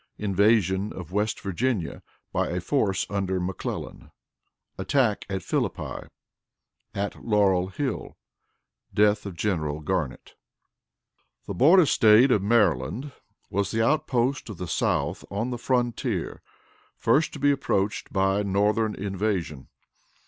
Invasion of West Virginia by a Force under McClellan. Attack at Philippi; at Laurel Hill. Death of General Garnett. The border State of Maryland was the outpost of the South on the frontier first to be approached by Northern invasion.